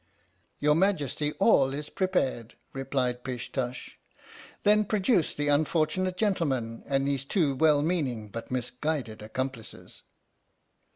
"Your Majesty, all is prepared." replied Pish Tush. "Then produce the unfortunate gentleman and his two well meaning but misguided accomplices."